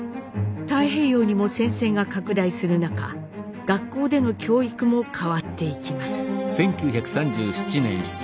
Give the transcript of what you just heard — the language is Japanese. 太平洋にも戦線が拡大する中学校での教育も変わっていきます。